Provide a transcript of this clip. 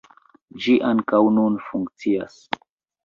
Ĝi ankaŭ nun funkcias.